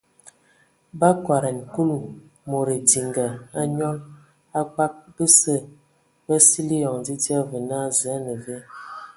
Ba akodan Kulu mod edinga a nyal a kpag basə ba sili eyoŋ dzidzia və naa: Zǝ a ne ve ?.